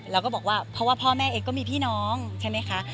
แล้วก็บอกว่าเพราะว่าพ่อแม่เองก็มีพี่น้องใช่ไหมคะ